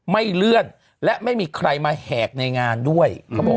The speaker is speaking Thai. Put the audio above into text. ไม่เลื่อนและไม่มีใครมาแหกในงานด้วยเขาบอก